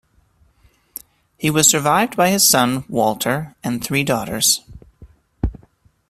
He was survived by his son, Walter, and three daughters.